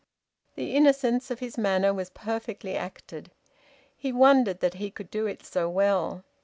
The innocence of his manner was perfectly acted. He wondered that he could do it so well.